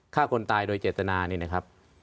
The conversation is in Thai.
ฆ่าคนตายโดยเจตนานี่นะครับ